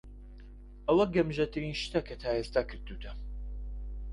ئەوە گەمژەترین شتە کە تا ئێستا کردووتە.